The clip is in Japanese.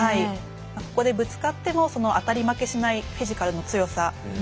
ここでぶつかってもあたり負けしないフィジカルの強さ。